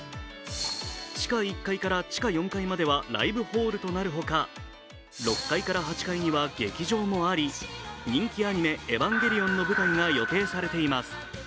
地下１階から地下４階まではライブホールとなるほか、６階から８階には劇場もあり、人気アニメ「エヴァンゲリオン」の舞台が予定されています。